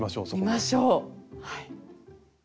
見ましょう。